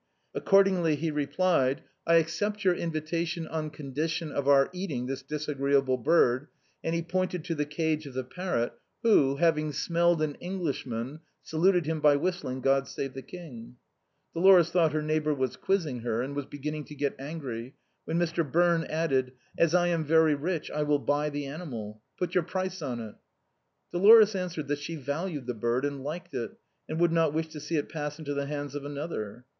Accordingly he replied :" Ï accept your invitation on condition of our eating this disagreeable bird," and he pointed to the cage of the parrot, who, having already smelt an Englishman, saluted him by whistling " God Save the King." 312 THE BOHEMIANS OF THE LATIN QUARTER. Dolores thought her neighbor was quizzing her, and was beginning to get angry, when Mr. Birne added : "As I am very rich, I will buy the animal ; put your price on it." Dolores answered that she valued the bird, and liked it, and would not wish to see it pass into the hands of another.